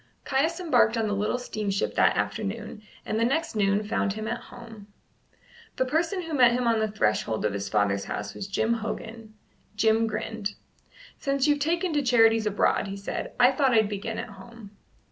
Caius embarked on the little steamship that afternoon, and the next noon found him at home. The person who met him on the threshold of his father's house was Jim Hogan. Jim grinned. "Since you've taken to charities abroad," he said, "I thought I'd begin at home."